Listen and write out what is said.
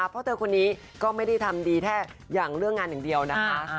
เพราะเธอคนนี้ก็ไม่ได้ทำดีแค่อย่างเรื่องงานอย่างเดียวนะคะ